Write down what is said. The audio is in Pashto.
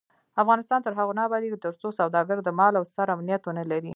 افغانستان تر هغو نه ابادیږي، ترڅو سوداګر د مال او سر امنیت ونلري.